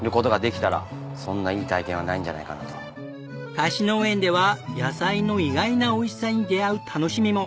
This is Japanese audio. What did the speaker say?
貸し農園では野菜の意外なおいしさに出会う楽しみも。